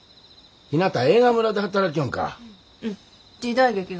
ひなた映画村で働きょんか。